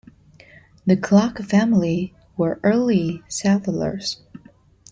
The Klock family were early settlers.